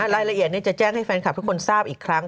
รายละเอียดจะแจ้งให้แฟนคลับทุกคนทราบอีกครั้ง